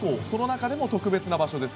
その中でも特別な場所